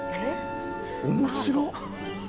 面白っ！